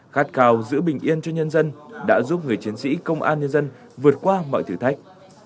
khát cào giữ bình yên cho nhân dân đã giúp người chiến sĩ công an nhân dân vượt qua mọi thử thách